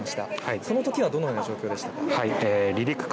そのときはどのような状況でしたか。